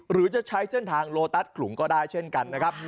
หรือจะใช้เส้นทางโลตัสขลุงก็ได้เช่นกันนะครับ